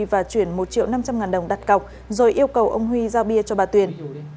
và chuyển một triệu năm trăm linh ngàn đồng đặt cọc rồi yêu cầu ông huy giao bia cho bà tuyền